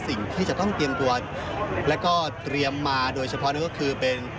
สิ่งที่จะต้องเตรียมตัวแล้วก็เตรียมมาโดยเฉพาะนั่นก็คือเป็น